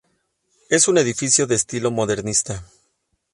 Es un edificio de estilo modernista.